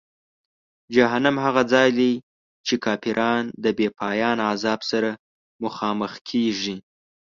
جهنم هغه ځای دی چې کافران د بېپایانه عذاب سره مخامخ کیږي.